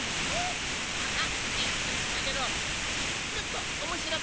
ハハびっくりしたけどちょっとおもしろかったよな！